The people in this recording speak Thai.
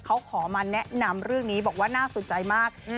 เขาขอมาแนะนำเรื่องนี้บอกว่าน่าสนใจมาก